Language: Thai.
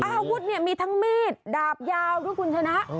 อาวุธเนี่ยมีทั้งมีดดาบยาวด้วยคุณชนะ